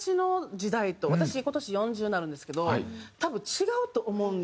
私今年４０になるんですけど多分違うと思うんですよ。